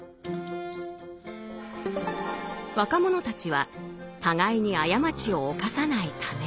若者たちは互いに過ちを犯さないため。